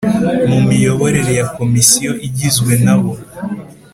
mu miyoborere ya Komisiyo Igizwe nabo